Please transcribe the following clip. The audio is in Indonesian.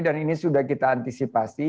dan ini sudah kita antisipasi